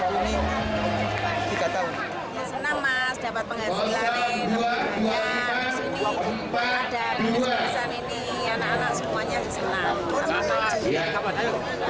senang mas dapat penghasilan kemudian disini ada penyelidikan ini anak anak semuanya disenang